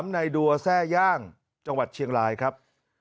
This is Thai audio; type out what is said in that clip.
ในดัวแทร่ย่างจังหวัดเชียงรายครับ